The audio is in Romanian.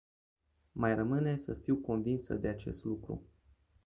Mai rămâne să fiu convinsă de acest lucru.